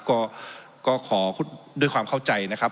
ก็ขอด้วยความเข้าใจนะครับ